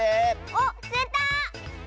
おっつれた！